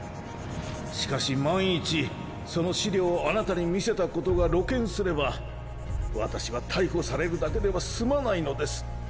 しかし万一その資料をあなたに見せたことが露見すれば私は逮捕されるだけでは済まないのです。